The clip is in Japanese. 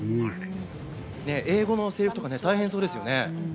英語のセリフとか大変そうですよね。